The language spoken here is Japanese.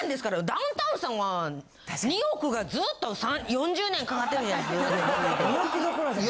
ダウンタウンさんは２億がずっと４０年かかってるんじゃないです？